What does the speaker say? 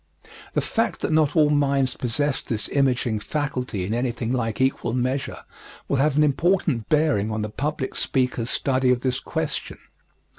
The fact that not all minds possess this imaging faculty in anything like equal measure will have an important bearing on the public speaker's study of this question.